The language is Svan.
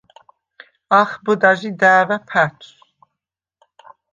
ახბჷდა ჟი და̄̈ვა̈ ფა̈თვს.